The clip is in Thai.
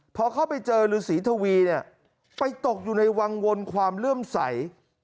พอเข้าไปเจอฤษีธวีไปตกอยู่ในวังวนความเริ่มใส